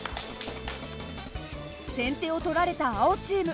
先手を取られた青チーム。